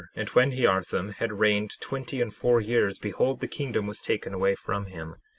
And when Hearthom had reigned twenty and four years, behold, the kingdom was taken away from him.